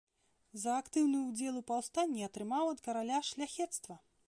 За актыўны ўдзел у паўстанні атрымаў ад караля шляхецтва.